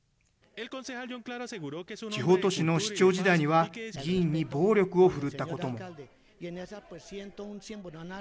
地方都市の市長時代には議員に暴力を振るったことも。